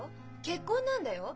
結婚なんだよ。